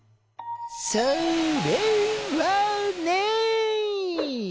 それはね。